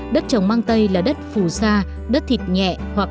đất trồng mang tây là đất phù sa đất thịt nhẹ hoặc